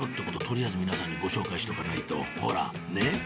とりあえず皆さんにご紹介しとかないとほらねっ？